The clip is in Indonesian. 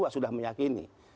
dua sudah meyakini